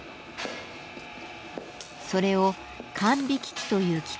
それを「管引機」という機械にセット。